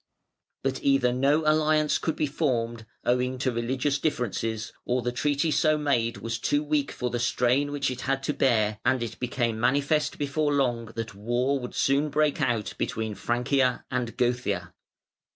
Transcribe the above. But either no alliance could be formed, owing to religious differences, or the treaty so made was too weak for the strain which it had to bear, and it became manifest before long that war would soon break out between "Francia" and "Gothia".